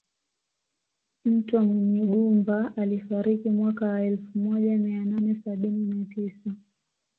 Mtwa Munyigumba alifariki mwaka wa elfu moja mia nane sabini na tisa